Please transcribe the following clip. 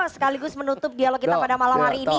sekaligus menutup dialog kita pada malam hari ini